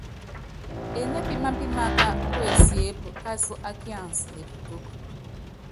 Eŋépí mápímaká kuesiép káásɔ́ á kians ne putúk.